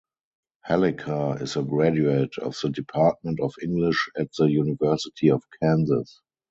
Helliker is a graduate of the Department of English at the University of Kansas.